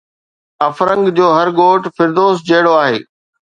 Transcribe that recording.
افرنگ جو هر ڳوٺ فردوس جهڙو آهي